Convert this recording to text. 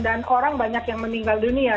orang banyak yang meninggal dunia